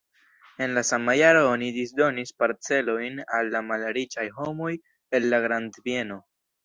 En la sama jaro oni disdonis parcelojn al la malriĉaj homoj el la grandbieno.